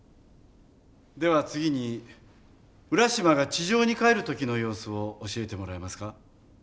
では次に浦島が地上に帰る時の様子を教えてもらえますか？